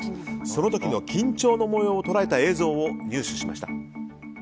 その時の緊張の模様を捉えた映像を入手しました。